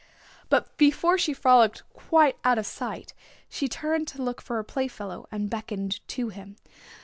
But before she frolicked quite out of sight she turned to look for her playfellow, and beckoned to him.